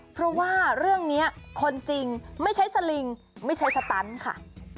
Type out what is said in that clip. เพราะว่าเรื่องนี้คนจริงไม่ใช่สลิงไม่ใช่สตันค่ะ